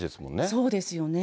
そうですよね。